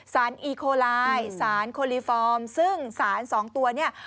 อีโคลายสารโคลิฟอร์มซึ่งสารสองตัวเนี่ย